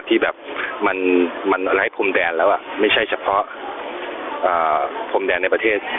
ที่แบบมันไร้พรมแดนแล้วไม่ใช่เฉพาะพรมแดนในประเทศ